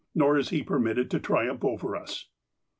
Nor is he permitted to triumph over us."